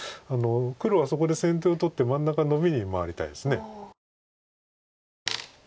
黒はそこで先手を取って真ん中ノビに回りたいです。